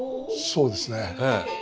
そうですね。